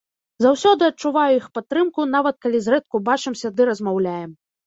Заўсёды адчуваю іх падтрымку, нават калі зрэдку бачымся ды размаўляем.